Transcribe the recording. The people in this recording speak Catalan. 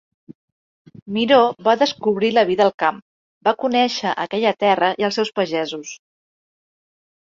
Miró va descobrir la vida al camp, va conèixer aquella terra i els seus pagesos.